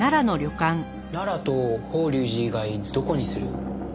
奈良と法隆寺以外どこにする？